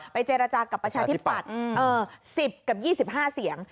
เจรจากับประชาธิปัตย์๑๐กับ๒๕เสียง